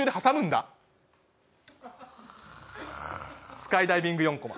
スカイダイビング４コマ。